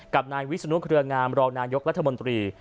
กับนายวิศนุเครืองามรองนายกรัฐมนตรี